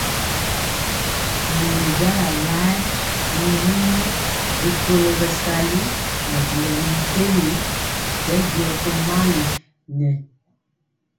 Mori jala lae nyɛmemɔ rikolo bɛsali nɛ boro mɛmpegi bɛndiɔ tomali nɛ.